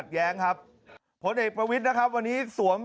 สมัยไม่เรียกหวังผม